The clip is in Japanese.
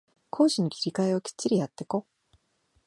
攻守の切り替えをきっちりやってこ